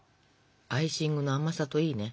アイシングの甘さといいね。